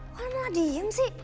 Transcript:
kok lo malah diem sih